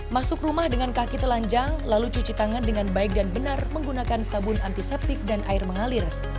masuk rumah dengan kaki telanjang lalu cuci tangan dengan baik dan benar menggunakan sabun antiseptik dan air mengalir